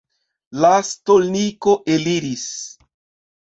La stolniko eliris.